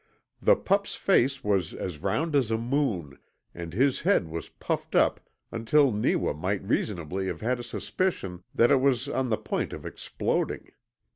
The pup's face was as round as a moon, and his head was puffed up until Neewa might reasonably have had a suspicion that it was on the point of exploding.